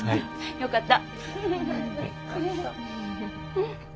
よかった。